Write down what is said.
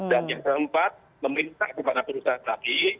dan yang keempat meminta kepada perusahaan tadi